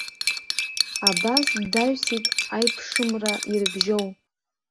Абас даҩсит аиԥшымра ирыбжьоу.